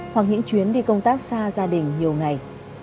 hoặc những chuyến đi công tác xa gia đình nhiều ngày